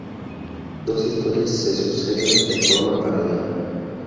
Dos historias se suceden de forma paralela.